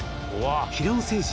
平尾誠二